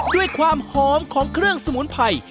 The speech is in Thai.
ด้วยความหอมของเครื่องสมุนไพร